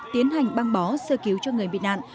tiến hành băng bó sơ cứu cho người bị nạn